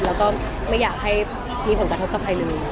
แล้วก็ไม่อยากให้มีผลกระทบกับใครเลย